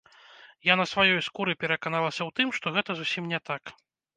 Я на сваёй скуры пераканалася ў тым, што гэта зусім не так.